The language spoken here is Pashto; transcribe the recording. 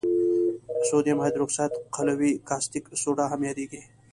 سودیم هایدروکساید قلوي کاستیک سوډا هم یادیږي.